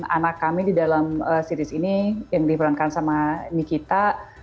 karena kami di dalam series ini yang diperankan sama nikita